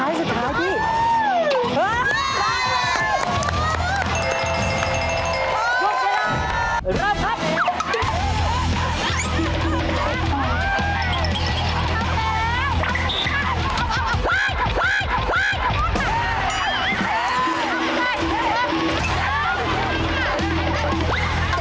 นิดเดียว